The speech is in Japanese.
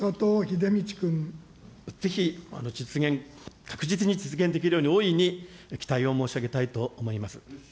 ぜひ、実現、確実に実現できるように、大いに期待を申し上げたいと思います。